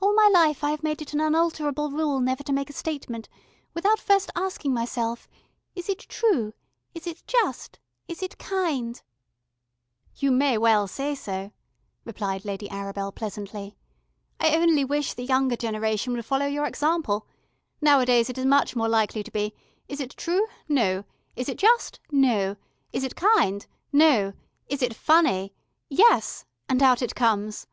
All my life I have made it an unalterable rule never to make a statement without first asking myself: Is it TRUE? Is it JUST? Is it KIND?" "You may well say so," replied Lady Arabel pleasantly. "I only wish the younger generation would follow your example. Nowadays it is much more likely to be: Is it true? No. Is it just? No. Is it kind? No. Is it FUNNY? Yes. And out it comes."